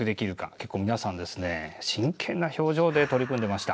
結構皆さん、真剣な表情で取り組んでいました。